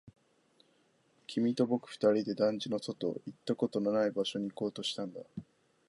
君と僕二人で団地の外、行ったことのない場所に行こうとしたんだ